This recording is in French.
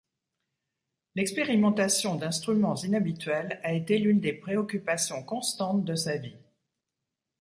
L'expérimentation d'instruments inhabituels a été l'une des préoccupations constantes de sa vie.